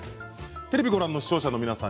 テレビをご覧の視聴者の皆さん